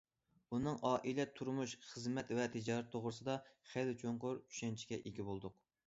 ئۇنىڭ ئائىلە، تۇرمۇش، خىزمەت ۋە تىجارىتى توغرىسىدا خېلى چوڭقۇر چۈشەنچىگە ئىگە بولدۇق.